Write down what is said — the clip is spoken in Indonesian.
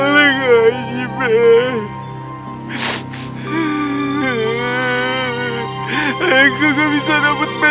sampai jumpa di video selanjutnya